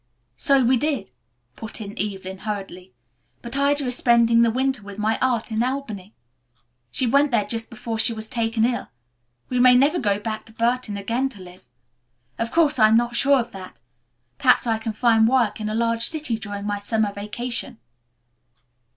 "So we did," put in Evelyn hurriedly, "but Ida is spending the winter with my aunt in Albany. She went there just before she was taken ill. We may never go back to Burton again to live. Of course I am not sure of that. Perhaps I can find work in a large city during my summer vacation."